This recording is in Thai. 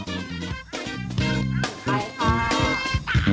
อ๋อแต่พุทธไม่รู้ไปไหน